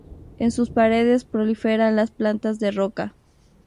En sus paredes, proliferan las plantas de roca.